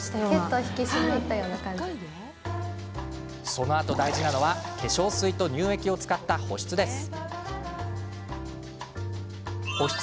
そのあと大事なのは化粧水と乳液を使った保湿です。